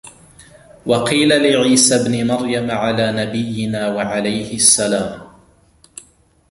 وَقِيلَ لِعِيسَى ابْنِ مَرْيَمَ عَلَى نَبِيِّنَا وَعَلَيْهِ السَّلَامُ